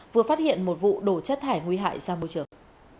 vừa phát hiện một vụ đổ chất thải nguy hại ra môi trường